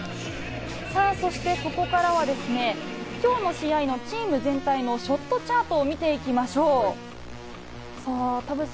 そしてここからは、今日の試合のチーム全体のショットチャートを見ていきます。